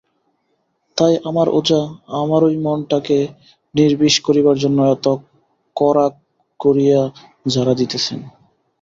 তাই আমার ওঝা আমারই মনটাকে নির্বিষ করিবার জন্য এত কড়া করিয়া ঝাড়া দিতেছেন।